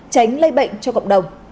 tránh lây bệnh cho cộng đồng